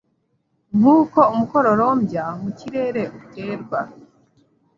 Nk’uko umukororombya mu kirere uterwa